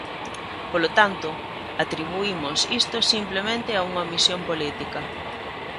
Polo tanto, atribuímos isto simplemente a unha omisión política.